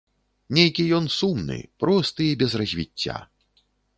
Нейкі ён сумны, просты і без развіцця.